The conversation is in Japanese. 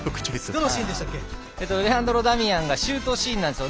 レアンドロ・ダミアンのシュートシーンですね。